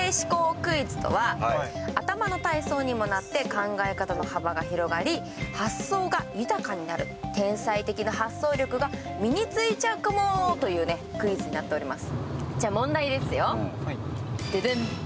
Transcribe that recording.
クイズとは頭の体操にもなって考え方の幅も広がり、発想が豊かになる天才的な発想力が身についちゃうかも！というクイズになっています。